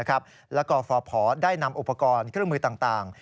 แล้วก็ฟพได้นำอุปกรณ์เครื่องมือต่าง